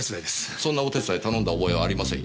そんなお手伝い頼んだ覚えはありませんよ。